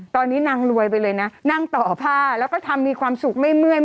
ตอนนี้นางรวยไปเลยนะนั่งต่อผ้าแล้วก็ทำมีความสุขไม่เมื่อย